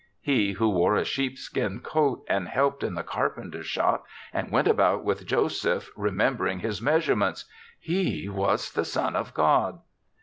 He, who wore a sheepskin coat and helped in the carpenter's shop and went about with Joseph remember ing his measurements — he was the son of God.